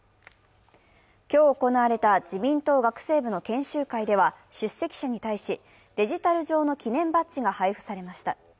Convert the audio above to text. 今日行われた自民党学生部の研修会では出席者に対しデジタル上の記念バッジが配布されました。